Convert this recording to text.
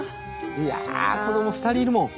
いや子ども２人いるもん。